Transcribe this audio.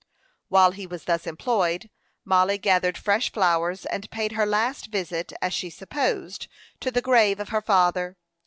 While he was thus employed, Mollie gathered fresh flowers, and paid her last visit, as she supposed, to the grave of her father.